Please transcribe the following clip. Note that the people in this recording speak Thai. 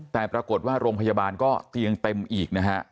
แต่ปรากฏว่าโรงพยาบาลก็เตียงเต็มอีกนะฮะ